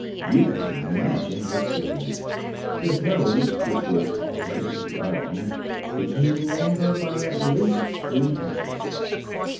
You can imagine his feelings. His nose, which was already long, became longer by at least three inches.